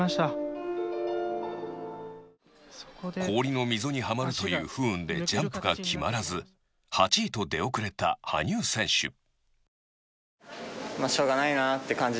氷の溝にはまるという不運でジャンプが決まらず８位出遅れた羽生選手